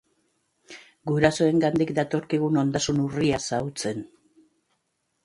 Gurasoengandik datorkigun ondasun urria xahutzen.